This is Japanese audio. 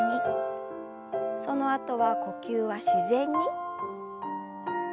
そのあとは呼吸は自然に。